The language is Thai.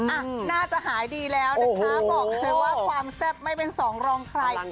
อ่ะน่าจะหายดีแล้วนะคะบอกเลยว่าความแซ่บไม่เป็นสองรองใคร